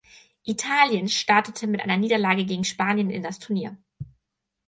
Italien startete mit einer Niederlage gegen Spanien in das Turnier.